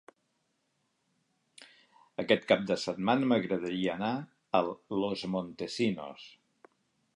Aquest cap de setmana m'agradaria anar a Los Montesinos.